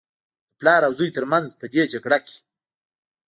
د پلار او زوى تر منځ په دې جګړه کې.